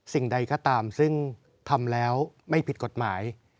สิ่งใดก็ตามซึ่งทำแล้วไม่ผิดกฎหมาย